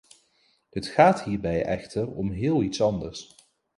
Het gaat hierbij echter om heel iets anders.